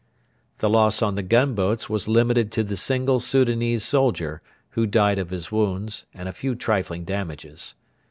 The loss on the gunboats was limited to the single Soudanese soldier, who died of his wounds, and a few trifling damages.